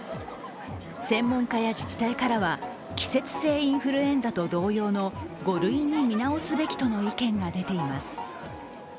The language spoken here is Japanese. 専門家や自治体からは、季節性インフルエンザと同類の５類に見直すべきとの意見が出ています。